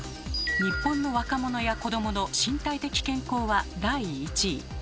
日本の若者や子どもの身体的健康は第１位。